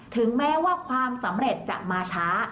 ถึงแม้ว่าความสำเร็จจะมาช้า